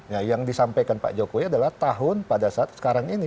ya yang disampaikan pak jokowi adalah tahun pada saat sekarang ini